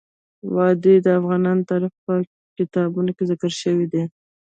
وادي د افغان تاریخ په کتابونو کې ذکر شوی دي.